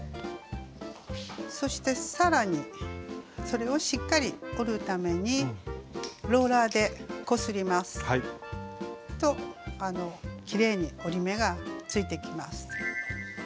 そしてさらにそれをしっかり折るためにローラーでこすりますときれいに折り目がついてきます。